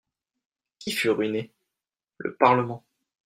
Qui fut ruiné ? le Parlement.